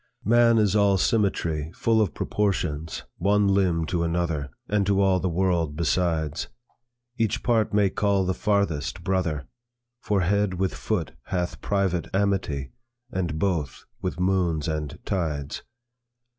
"Man is all symmetry, Full of proportions, one limb to another, And to all the world besides. Each part may call the farthest, brother; For head with foot hath private amity, And both with moons and tides.